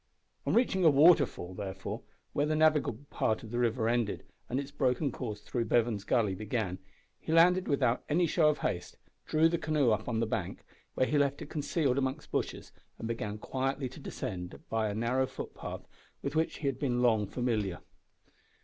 On reaching a waterfall, therefore, where the navigable part of the river ended and its broken course through Bevan's Gully began, he landed without any show of haste, drew the canoe up on the bank, where he left it concealed among bushes, and began quietly to descend by a narrow footpath with which he had been long familiar.